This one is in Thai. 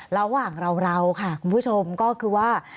ระหว่างเราค่ะคุณผู้ชมก็คือว่า